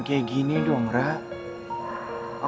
supaya harus lo terima